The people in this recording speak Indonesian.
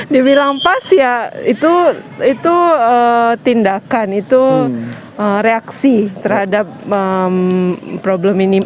dibilang pas ya itu tindakan itu reaksi terhadap problem ini